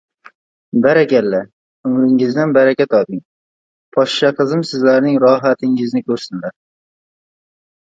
Barakalla! Umringizdan baraka toping, Poshsha qizim sizlarning rohatingizni ko‘rsinlar.